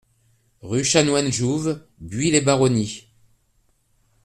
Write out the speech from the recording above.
Rue Chanoine Jouve, Buis-les-Baronnies